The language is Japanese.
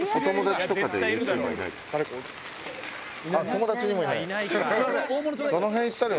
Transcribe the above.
友達にもいない？